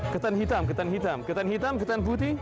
ketan hitam ketan hitam ketan hitam ketan putih